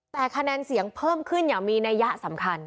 แต่คะแนนเสียงเพิ่มขึ้นอย่างมีนัยยะสำคัญ